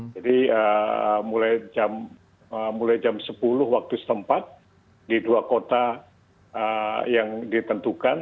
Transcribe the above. jadi mulai jam sepuluh waktu setempat di dua kota yang ditentukan